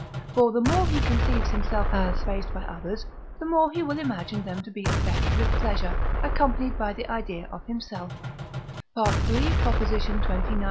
For the more he conceives himself as praised by others, the more he will imagine them to be affected with pleasure, accompanied by the idea of himself (III. xxix.